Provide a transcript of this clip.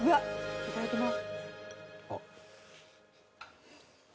いただきます。